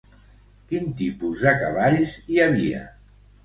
Quin tipus de cavalls hi havia?